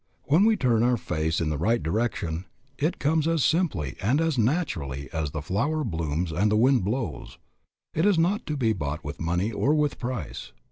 When we turn our face in the right direction it comes as simply and as naturally as the flower blooms and the winds blow. It is not to be bought with money or with price.